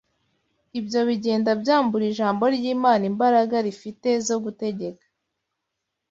Ibyo bigenda byambura Ijambo ry’Imana imbaraga rifite zo gutegeka